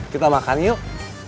kita makan yuk